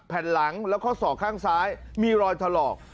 แผ่นหลังแล้วก็ศอกข้างซ้ายมีรอยถลอก